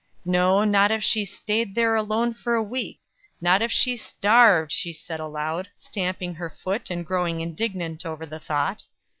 No, not if she staid there alone for a week; not if she starved, she said aloud, stamping her foot and growing indignant over the thought.